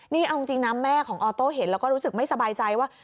นี่เอาจริงนะแม่ของออโต้เห็นแล้วก็รู้สึกไม่สบายใจว่า